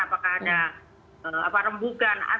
apakah ada rembukan